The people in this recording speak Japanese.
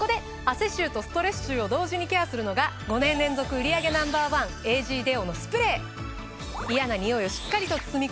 汗臭とストレス臭を同時にケアするのが５年連続売り上げＮｏ．１エージーデオのスプレー！